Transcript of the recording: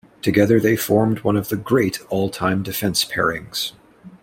Together they formed one of the great all-time defence pairings.